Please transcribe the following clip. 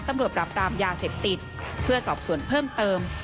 ปรับปรามยาเสพติดเพื่อสอบส่วนเพิ่มเติม